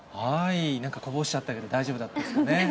なんかこぼしちゃったけど、大丈夫だったですかね。